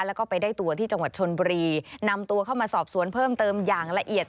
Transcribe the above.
แล้วก็ไปได้ตัวที่จังหวัดชนบุรีนำตัวเข้ามาสอบสวนเพิ่มเติมอย่างละเอียด